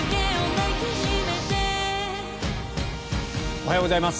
おはようございます。